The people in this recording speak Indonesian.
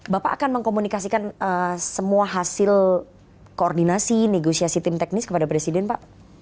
bapak akan mengkomunikasikan semua hasil koordinasi negosiasi tim teknis kepada presiden pak